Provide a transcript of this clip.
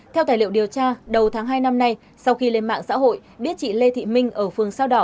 theo tài liệu điều tra đầu tháng hai năm nay sau khi lên mạng xã hội biết chị lê thị minh ở phường sao đỏ